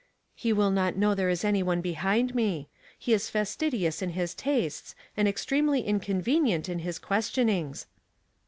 " He will not know there is any one behind me. He is fastidious in his tastes, and extremely inconvenient in his ques tionings."